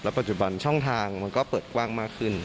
ปัจจุบันช่องทางมันก็เปิดกว้างมากขึ้น